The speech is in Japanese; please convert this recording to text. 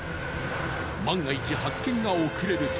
万が一発見が遅れると。